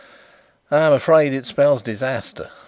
"I'm afraid it spells disaster.